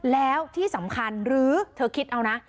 แล้วที่สำคัญหรือเธอคิดเอานะ